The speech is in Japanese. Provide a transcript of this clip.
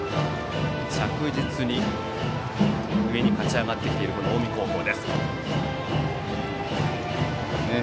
着実に上に勝ち上がってきている近江高校です。